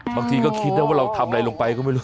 บางทีก็คิดนะว่าเราทำอะไรลงไปก็ไม่รู้